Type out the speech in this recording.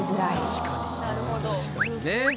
確かにね。